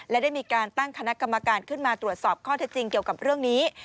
และได้มีการตั้งคณะกรรมการขึ้นมาตรวจสอบข้อเท็จจริงเกี่ยวกับเรื่องนี้